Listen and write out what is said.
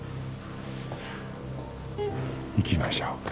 行きましょうか。